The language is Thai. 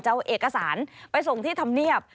เอาเอกสารไปส่งที่ธรรมเนียบ